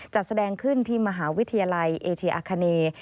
จัดแสดงขึ้นที่มหาวิทยาลัยเอเชียอาคาเน